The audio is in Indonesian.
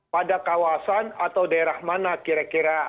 pada kawasan atau daerah mana kira kira